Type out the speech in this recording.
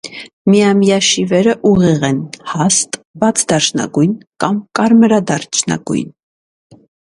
Միամյա շիվերը ուղիղ են, հաստ, բաց դարչնագույն կամ կարմրադարչնագույն։